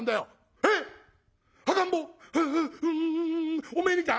ええうんおめえにか？」。